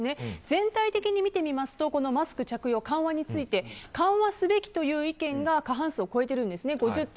全体的に見てみますとマスク着用緩和について緩和すべきという意見が過半数を超えているんですね。